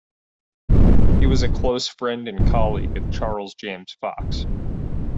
He was a close friend and colleague of Charles James Fox.